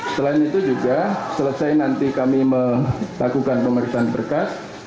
selain itu juga selesai nanti kami melakukan pemeriksaan berkas